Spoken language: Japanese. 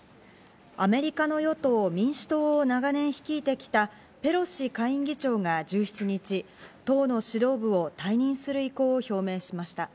アメリカの与党・民主党を長年率いてきたペロシ下院議長が１７日、党の指導部を退任する意向を表明しました。